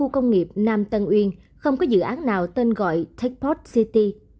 công nghiệp nam tân uyên không có dự án nào tên gọi techpot city